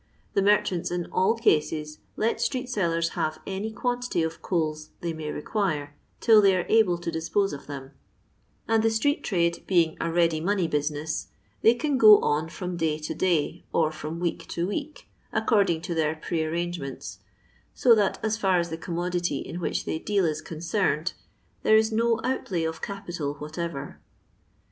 The merchants in all cases let street sellers have any quantity of coals they may require till they are able to dispose of them ; and the street trade being a ready money business, they can go on from day to day, or from week to week, according to their pre arrangements, so that, as far as the commodity in which they deid is con cerned, there is no outlay of capital whatever.